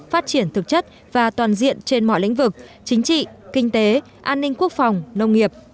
phát triển thực chất và toàn diện trên mọi lĩnh vực chính trị kinh tế an ninh quốc phòng nông nghiệp